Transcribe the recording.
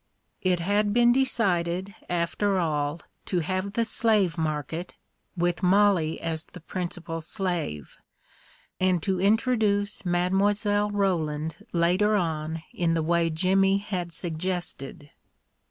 It had been decided, after all, to have the slave market, with Mollie as the principal slave, and to in troduce Mile. Roland later on in the way Jimmy had suggested.